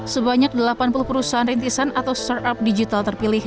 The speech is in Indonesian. sebanyak delapan puluh perusahaan rintisan atau startup digital terpilih